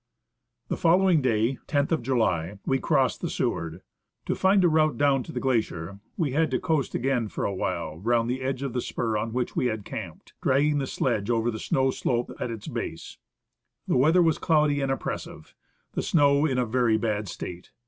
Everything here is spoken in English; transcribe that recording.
The following day (loth of July) we crossed the Seward. To find a route down to the glacier we had to coast again, for a while, round the edge of the spur on which we had camped, dragging the sledge over the snow slope at its base. The weather was cloudy and oppressive ; the snow in a very bad state.